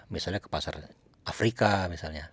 misalnya ke pasar afrika misalnya